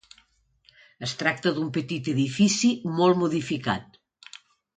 Es tracta d'un petit edifici molt modificat.